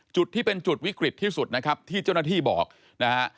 จุดที่เป็นจุดวิกฤตที่สุดนะครับที่เจ้าหน้าที่บอกนะฮะ